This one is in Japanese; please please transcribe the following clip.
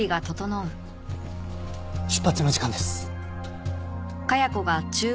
出発の時間です。